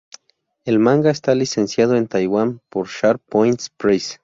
El manga está licenciado en Taiwán por Sharp Point Press.